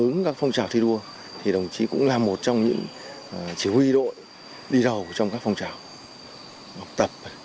ứng các phong trào thi đua thì đồng chí cũng là một trong những chỉ huy đội đi đầu trong các phong trào học tập